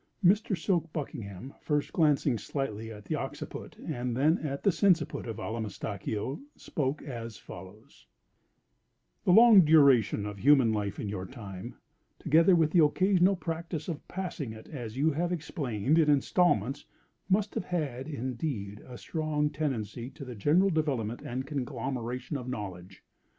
Mr. Silk Buckingham, first glancing slightly at the occiput and then at the sinciput of Allamistakeo, spoke as follows: "The long duration of human life in your time, together with the occasional practice of passing it, as you have explained, in installments, must have had, indeed, a strong tendency to the general development and conglomeration of knowledge.